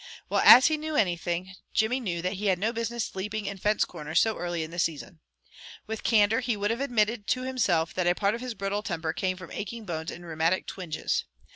Well as he knew anything, Jimmy knew that he had no business sleeping in fence corners so early in the season. With candor he would have admitted to himself that a part of his brittle temper came from aching bones and rheumatic twinges.